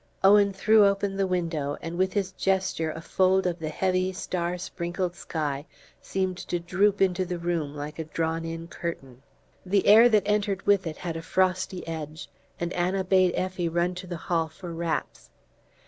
Owen threw open the window, and with his gesture a fold of the heavy star sprinkled sky seemed to droop into the room like a drawn in curtain. The air that entered with it had a frosty edge, and Anna bade Effie run to the hall for wraps.